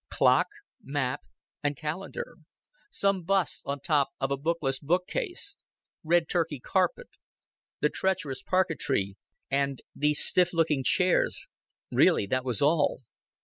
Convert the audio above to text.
Clock, map, and calendar; some busts on top of a bookless bookcase; red turkey carpet, the treacherous parquetry, and these stiff looking chairs really that was all.